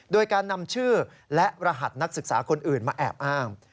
โดยการนำชื่อและรหัสนักศึกษาคนอื่นมาแอบอ้าง